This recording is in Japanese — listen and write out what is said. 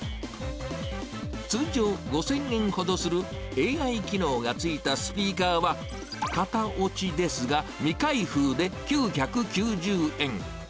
通常、５０００円ほどするＡＩ機能がついたスピーカーは、型落ちですが、未開封で９９０円。